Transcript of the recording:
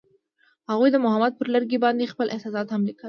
هغوی د محبت پر لرګي باندې خپل احساسات هم لیکل.